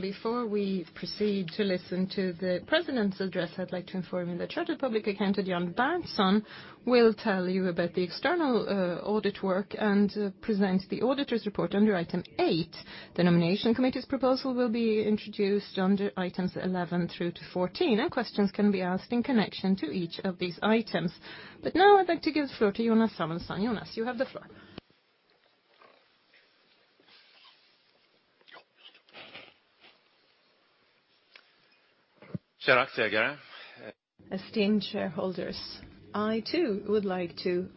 Before we proceed to listen to the president's address, I'd like to inform you that Authorized Public Accountant, Jan Berntsson, will tell you about the external audit work and present the auditor's report under item 8. The nomination committee's proposal will be introduced under items 11 through to 14, and questions can be asked in connection to each of these items. Now I'd like to give the floor to Jonas Samuelson. Jonas, you have the floor. Esteemed shareholders, I, too, would like to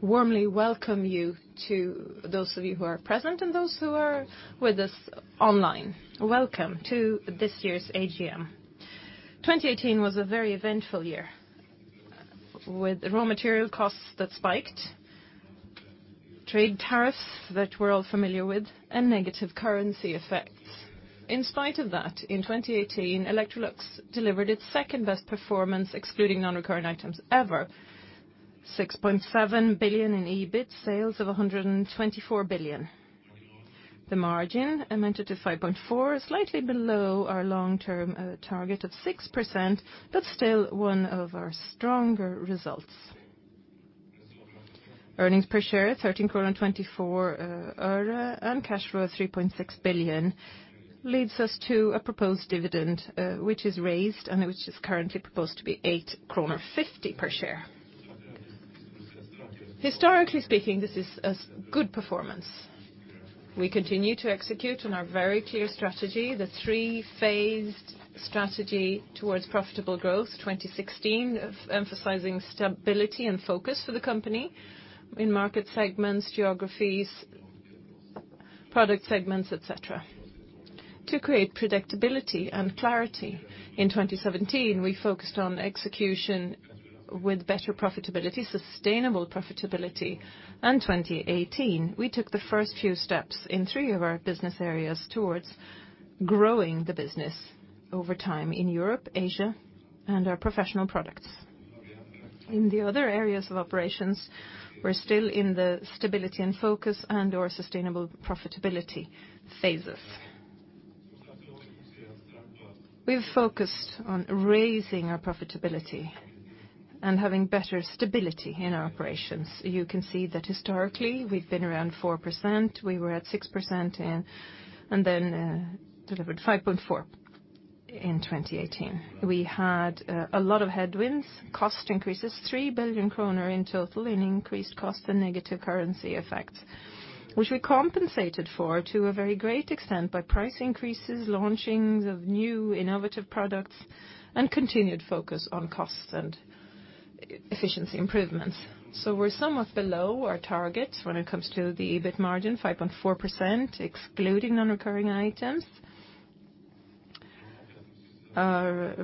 warmly welcome you to those of you who are present and those who are with us online. Welcome to this year's AGM. 2018 was a very eventful year, with raw material costs that spiked, trade tariffs that we're all familiar with, and negative currency effects. In spite of that, in 2018, Electrolux delivered its second-best performance, excluding non-recurrent items ever. 6.7 billion in EBIT, sales of 124 billion. The margin amounted to 5.4%, slightly below our long-term target of 6%, but still one of our stronger results. Earnings per share, SEK 13.24, and cash flow, 3.6 billion, leads us to a proposed dividend, which is raised and which is currently proposed to be 8.50 kronor per share. Historically speaking, this is a good performance. We continue to execute on our very clear strategy, the three-phased strategy towards profitable growth. 2016 of emphasizing stability and focus for the company in market segments, geographies, product segments, et cetera. To create predictability and clarity, in 2017, we focused on execution with better profitability, sustainable profitability. In 2018, we took the first few steps in three of our business areas towards growing the business over time in Europe, Asia, and our professional products. In the other areas of operations, we're still in the stability and focus and/or sustainable profitability phases. We've focused on raising our profitability and having better stability in our operations. You can see that historically, we've been around 4%. We were at 6% and then delivered 5.4% in 2018. We had a lot of headwinds, cost increases, 3 billion kronor in total in increased costs and negative currency effects, which we compensated for to a very great extent by price increases, launchings of new innovative products, and continued focus on costs and efficiency improvements. We're somewhat below our target when it comes to the EBIT margin, 5.4%, excluding non-recurring items. Our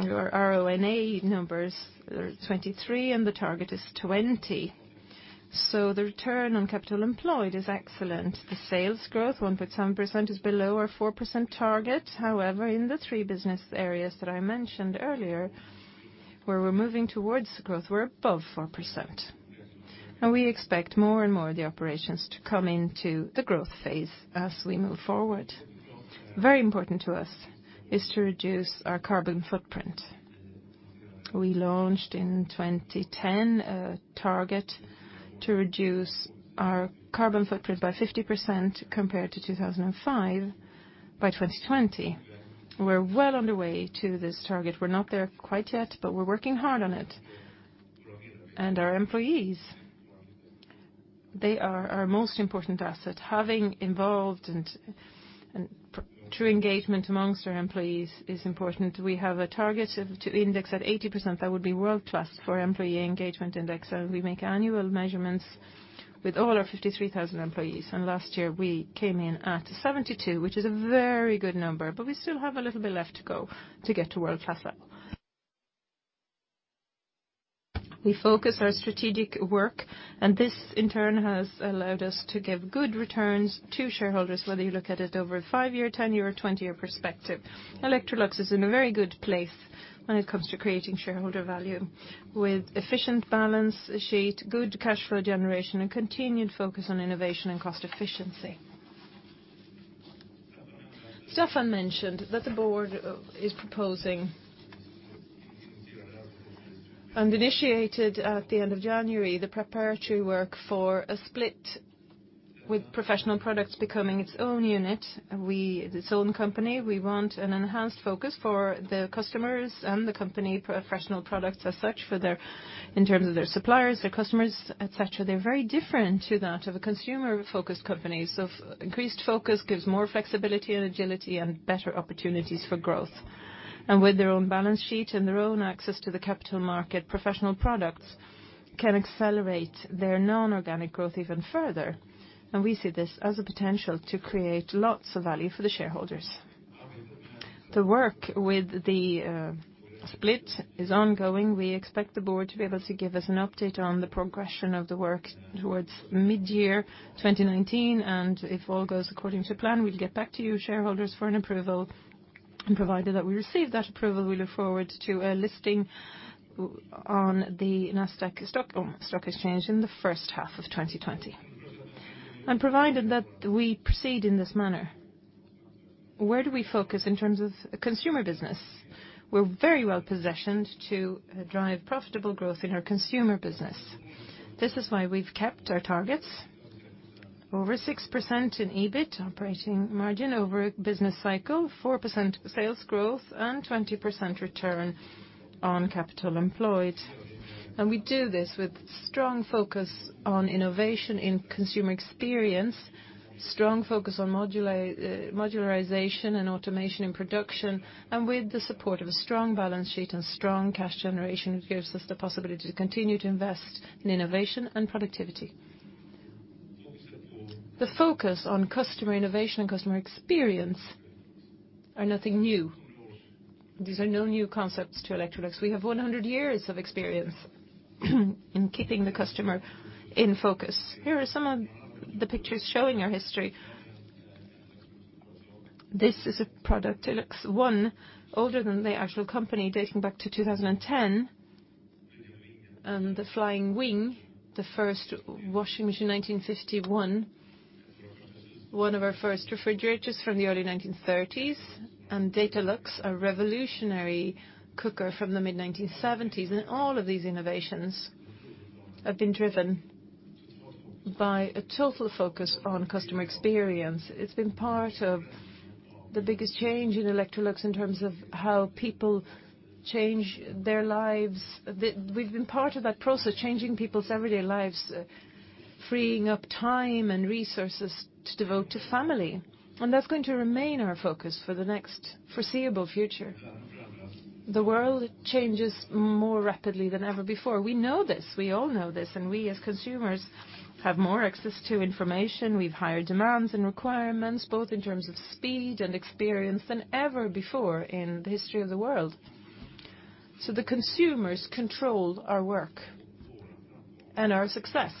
RONA numbers are 23. The target is 20. The return on capital employed is excellent. The sales growth, 1.7%, is below our 4% target. However, in the three business areas that I mentioned earlier, where we're moving towards growth, we're above 4%. We expect more and more of the operations to come into the growth phase as we move forward. Very important to us is to reduce our carbon footprint. We launched in 2010 a target to reduce our carbon footprint by 50% compared to 2005 by 2020. We're well on the way to this target. We're not there quite yet. We're working hard on it. Our employees, they are our most important asset. Having involved and true engagement amongst our employees is important. We have a target of, to index at 80%. That would be world-class for employee engagement index. We make annual measurements with all our 53,000 employees. Last year, we came in at 72, which is a very good number, but we still have a little bit left to go to get to world-class level. We focus our strategic work. This, in turn, has allowed us to give good returns to shareholders, whether you look at it over a 5-year, 10-year, or 20-year perspective. Electrolux is in a very good place when it comes to creating shareholder value, with efficient balance sheet, good cash flow generation, and continued focus on innovation and cost efficiency. Stefan mentioned that the board is proposing and initiated at the end of January, the preparatory work for a split, with professional products becoming its own unit. its own company. We want an enhanced focus for the customers and the company, professional products as such, for their, in terms of their suppliers, their customers, et cetera. They're very different to that of a consumer-focused company. Increased focus gives more flexibility and agility and better opportunities for growth. With their own balance sheet and their own access to the capital market, professional products can accelerate their non-organic growth even further. We see this as a potential to create lots of value for the shareholders. The work with the split is ongoing. We expect the board to be able to give us an update on the progression of the work towards mid-year 2019. If all goes according to plan, we'll get back to you, shareholders, for an approval. Provided that we receive that approval, we look forward to a listing on the Nasdaq Stock Exchange in the first half of 2020. Provided that we proceed in this manner, where do we focus in terms of consumer business? We're very well-positioned to drive profitable growth in our consumer business. This is why we've kept our targets over 6% in EBIT operating margin over a business cycle, 4% sales growth, and 20% return on capital employed. We do this with strong focus on innovation in consumer experience, strong focus on modularization and automation in production, and with the support of a strong balance sheet and strong cash generation, it gives us the possibility to continue to invest in innovation and productivity. The focus on customer innovation and customer experience are nothing new. These are no new concepts to Electrolux. We have 100 years of experience, in keeping the customer in focus. Here are some of the pictures showing our history. This is a product, Electrolux One, older than the actual company, dating back to 2010. The Flying Wing, the first washing machine, 1951. One of our first refrigerators from the early 1930s, and Datalux, a revolutionary cooker from the mid-1970s. All of these innovations have been driven by a total focus on customer experience. It's been part of the biggest change in Electrolux in terms of how people change their lives. We've been part of that process, changing people's everyday lives, freeing up time and resources to devote to family, and that's going to remain our focus for the next foreseeable future. The world changes more rapidly than ever before. We know this. We all know this. We, as consumers, have more access to information. We've higher demands and requirements, both in terms of speed and experience, than ever before in the history of the world. The consumers control our work and our success,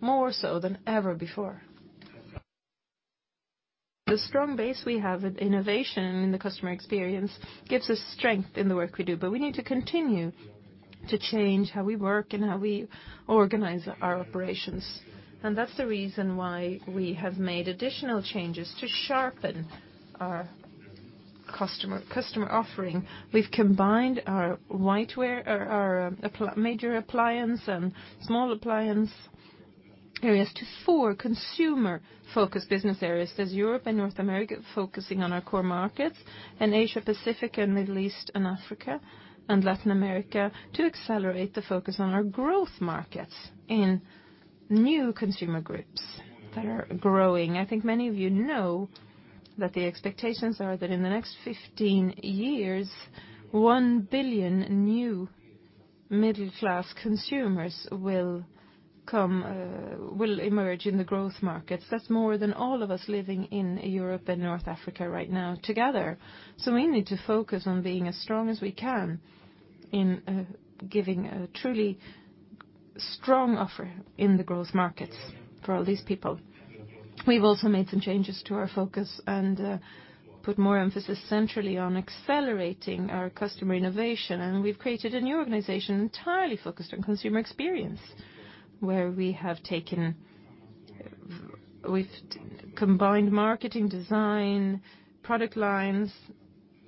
more so than ever before. The strong base we have with innovation in the customer experience gives us strength in the work we do, but we need to continue to change how we work and how we organize our operations. That's the reason why we have made additional changes to sharpen our customer offering. We've combined our whiteware or our major appliance and small appliance areas to four consumer-focused business areas. There's Europe and North America, focusing on our core markets, and Asia, Pacific, and Middle East, and Africa and Latin America to accelerate the focus on our growth markets in new consumer groups that are growing. I think many of you know that the expectations are that in the next 15 years, 1 billion new middle-class consumers will come, will emerge in the growth markets. That's more than all of us living in Europe and North Africa right now together. We need to focus on being as strong as we can in, giving a truly strong offer in the growth markets for all these people. We've also made some changes to our focus and, put more emphasis centrally on accelerating our customer innovation. We've created a new organization entirely focused on consumer experience, where we've combined marketing, design, product lines,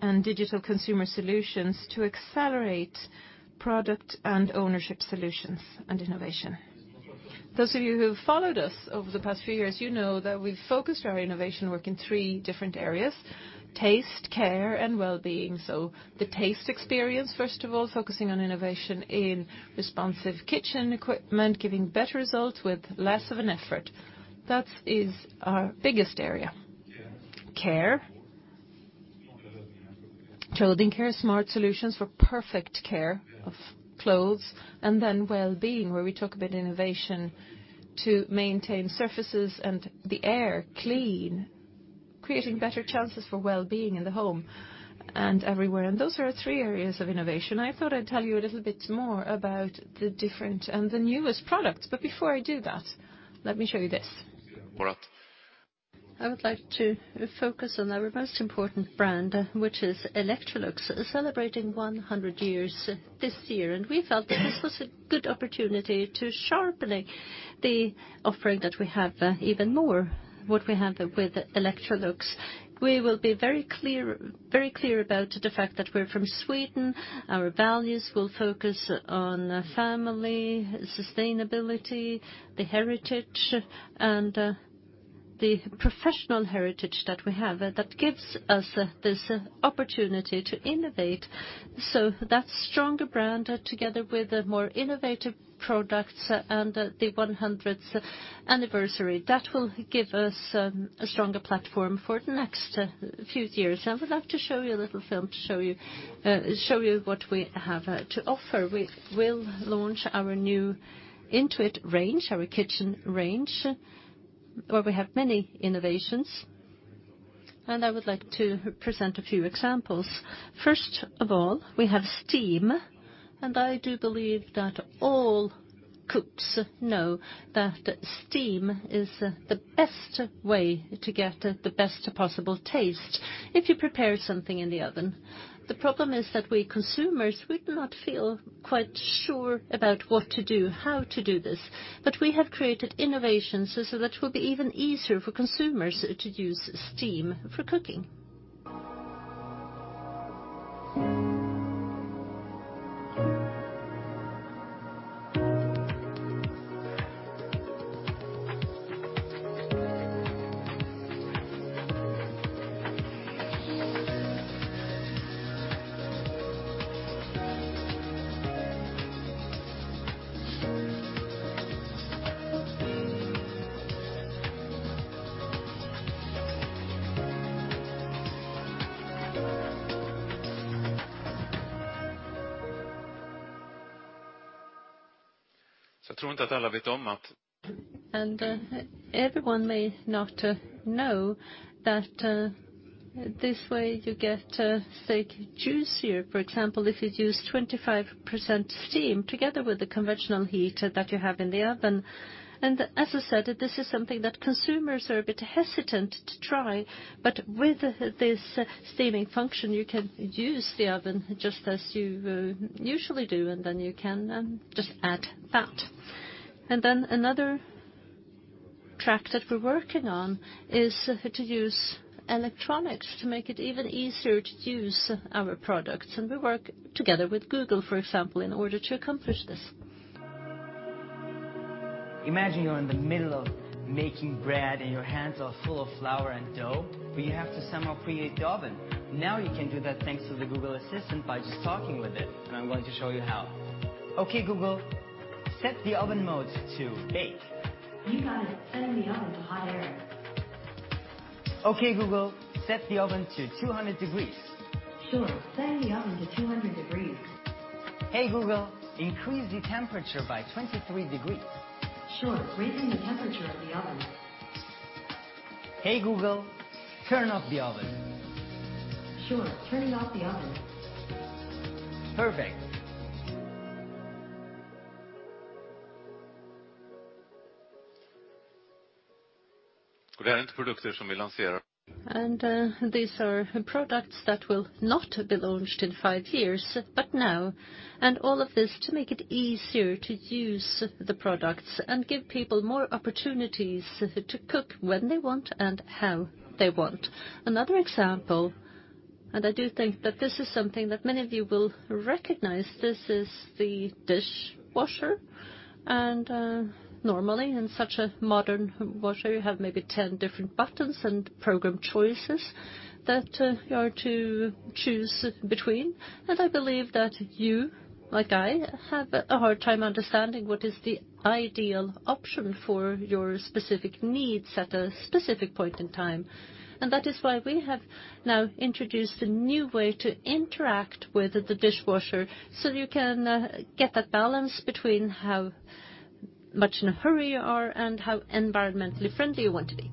and digital consumer solutions to accelerate product and ownership solutions and innovation. Those of you who have followed us over the past few years, you know that we've focused our innovation work in three different areas: taste, care, and well-being. The taste experience, first of all, focusing on innovation in responsive kitchen equipment, giving better results with less of an effort. That is our biggest area. Care. Child care, smart solutions for perfect care of clothes, and then well-being, where we talk about innovation to maintain surfaces and the air clean, creating better chances for well-being in the home and everywhere. Those are our three areas of innovation. I thought I'd tell you a little bit more about the different and the newest products, but before I do that, let me show you this. I would like to focus on our most important brand, which is Electrolux, celebrating 100 years this year, and we felt that this was a good opportunity to sharpen the offering that we have even more, what we have with Electrolux. We will be very clear about the fact that we're from Sweden. Our values will focus on family, sustainability, the heritage, and the professional heritage that we have, that gives us this opportunity to innovate. That stronger brand, together with the more innovative products and the 100th anniversary, that will give us a stronger platform for the next few years. I would like to show you a little film to show you what we have to offer. We will launch our new Intuitive Range, our kitchen range, where we have many innovations. I would like to present a few examples. First of all, we have steam, and I do believe that all cooks know that steam is the best way to get the best possible taste if you prepare something in the oven. The problem is that we consumers, we do not feel quite sure about what to do, how to do this. We have created innovations, so that it will be even easier for consumers to use steam for cooking. Everyone may not know that this way you get steak juicier, for example, if you use 25% steam together with the conventional heat that you have in the oven. As I said, this is something that consumers are a bit hesitant to try, but with this steaming function, you can use the oven just as you usually do, and then you can just add that. Another track that we're working on is to use electronics to make it even easier to use our products, and we work together with Google, for example, in order to accomplish this. Imagine you're in the middle of making bread, and your hands are full of flour and dough, but you have to somehow preheat the oven. You can do that thanks to the Google Assistant by just talking with it, and I'm going to show you how. Okay, Google, set the oven mode to bake. You got it. Setting the oven to Hot Air. Okay, Google, set the oven to 200 degrees. Sure, setting the oven to 200 degrees. Hey, Google, increase the temperature by 23 degrees. Sure, raising the temperature of the oven. Hey, Google, turn off the oven. Sure, turning off the oven. Perfect! These are products that will not be launched in five years, but now, and all of this to make it easier to use the products and give people more opportunities to cook when they want and how they want. Another example, and I do think that this is something that many of you will recognize, this is the dishwasher. Normally, in such a modern washer, you have maybe 10 different buttons and program choices that you are to choose between. I believe that you, like I, have a hard time understanding what is the ideal option for your specific needs at a specific point in time. That is why we have now introduced a new way to interact with the dishwasher, so you can get that balance between how much in a hurry you are and how environmentally friendly you want to be.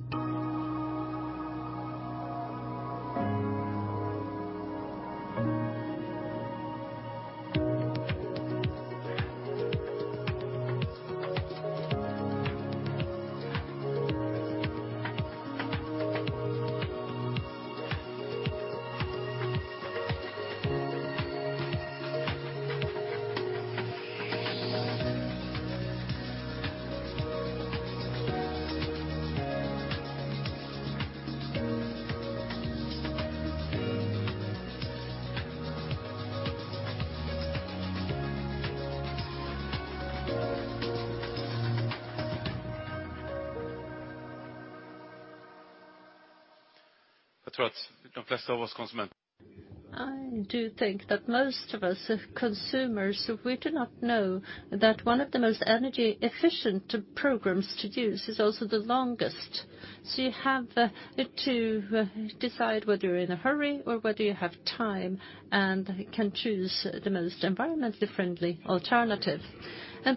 I do think that most of us consumers, we do not know that one of the most energy-efficient programs to use is also the longest. You have to decide whether you're in a hurry or whether you have time and can choose the most environmentally friendly alternative.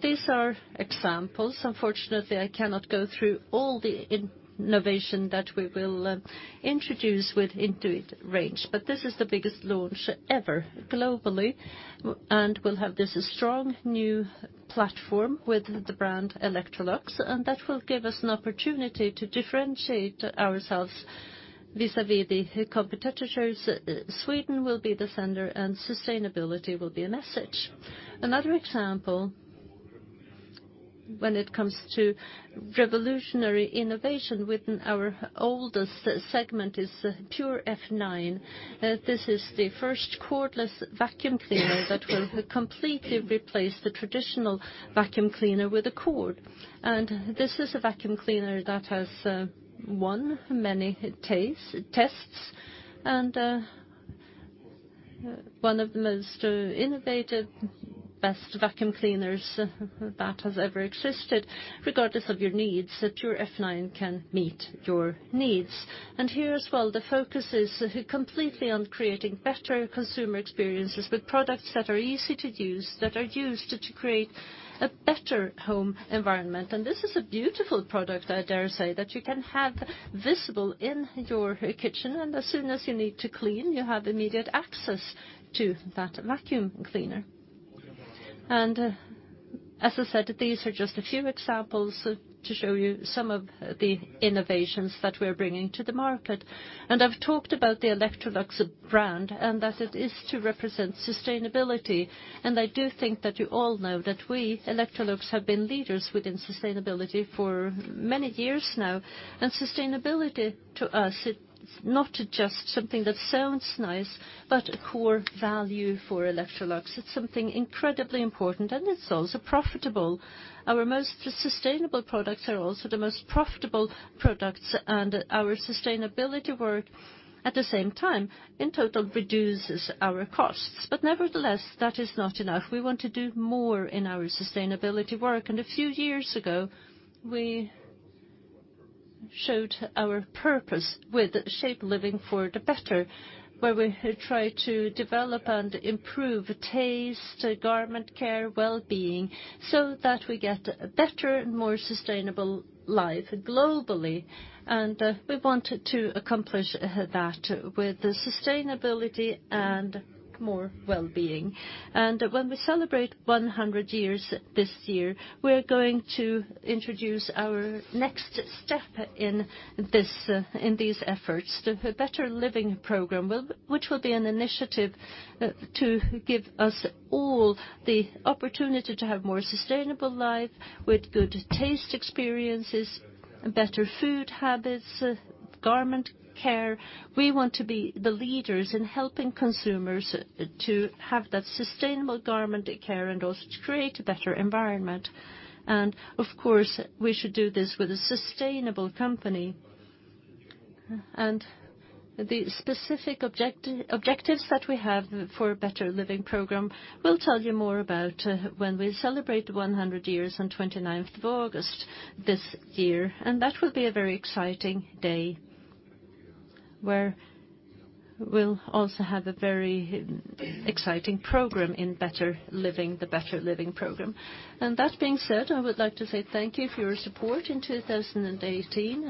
These are examples. Unfortunately, I cannot go through all the innovation that we will introduce with Intuitive Kitchen Range, but this is the biggest launch ever, globally, and we'll have this strong new platform with the brand Electrolux, and that will give us an opportunity to differentiate ourselves vis-à-vis the competitors. Sweden will be the center, sustainability will be a message. Another example, when it comes to revolutionary innovation within our oldest segment, is Pure F9. This is the first cordless vacuum cleaner that will completely replace the traditional vacuum cleaner with a cord. This is a vacuum cleaner that has won many taste tests, and one of the most innovative, best vacuum cleaners that has ever existed. Regardless of your needs, the Pure F9 can meet your needs. Here as well, the focus is completely on creating better consumer experiences with products that are easy to use, that are used to create a better home environment. This is a beautiful product, I dare say, that you can have visible in your kitchen, and as soon as you need to clean, you have immediate access to that vacuum cleaner. As I said, these are just a few examples to show you some of the innovations that we are bringing to the market. I've talked about the Electrolux brand, and that it is to represent sustainability. I do think that you all know that we, Electrolux, have been leaders within sustainability for many years now. Sustainability, to us, it's not just something that sounds nice, but a core value for Electrolux. It's something incredibly important, and it's also profitable. Our most sustainable products are also the most profitable products, and our sustainability work at the same time, in total, reduces our costs. Nevertheless, that is not enough. We want to do more in our sustainability work, a few years ago, we showed our purpose with Shape living for the Better, where we had tried to develop and improve taste, garment care, well-being, so that we get a better and more sustainable life globally. We wanted to accomplish that with the sustainability and more well-being. When we celebrate 100 years this year, we're going to introduce our next step in these efforts, the Better Living Program, which will be an initiative to give us all the opportunity to have more sustainable life with good taste experiences and better food habits, garment care. We want to be the leaders in helping consumers to have that sustainable garment care and also to create a better environment. Of course, we should do this with a sustainable company. The specific objectives that we have for Better Living Program, we'll tell you more about when we celebrate 100 years on 29th of August this year. That will be a very exciting day, where we'll also have a very exciting program in better living, the Better Living Program. That being said, I would like to say thank you for your support in 2018,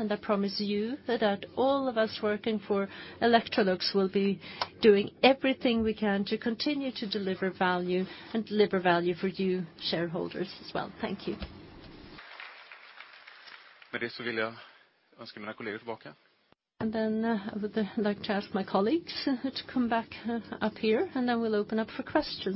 and I promise you that all of us working for Electrolux will be doing everything we can to continue to deliver value and deliver value for you shareholders as well. Thank you. I would like to ask my colleagues to come back up here, and then we'll open up for questions.